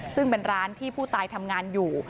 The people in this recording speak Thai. ซึ่งเป็นร้านที่ผู้ตายทำงานอยู่